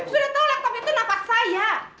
sudah tau laptop itu napa saya